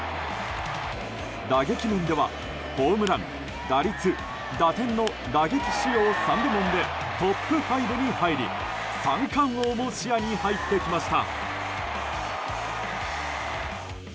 打撃面ではホームラン・打率・打点の打撃主要３部門でトップ５に入り三冠王も視野に入ってきました。